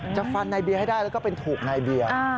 จะฟันนายเบียร์ให้ได้แล้วก็เป็นถูกนายเบียร์